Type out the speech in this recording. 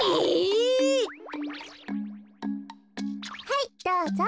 はいどうぞ。